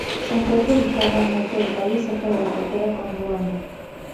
Se encuentra ubicada al norte del país, cerca de la frontera con Ruanda.